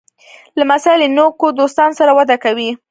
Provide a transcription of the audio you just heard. لمسی له نیکو دوستانو سره وده کوي.